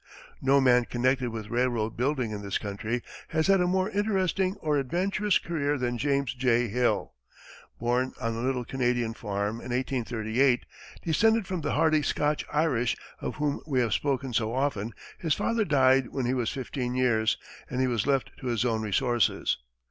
No man connected with railroad building in this country has had a more interesting or adventurous career than James J. Hill. Born on a little Canadian farm in 1838, descended from the hardy Scotch Irish of whom we have spoken so often, his father died when he was fifteen years, and he was left to his own resources.